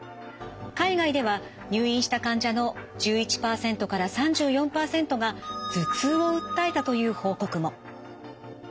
海外では入院した患者の１１％３４％が頭痛を訴えたという報告も。